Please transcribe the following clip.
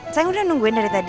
saya udah nungguin dari tadi